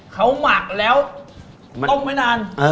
เขาหมักแล้วต้มไม่นาน